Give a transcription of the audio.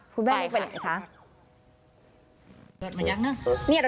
ไปค่ะ